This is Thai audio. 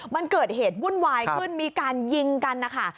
มันเกิดเหตุวุ่นวายขึ้นมีการยิงกันนะคะ